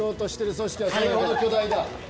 組織はそれほど巨大だ。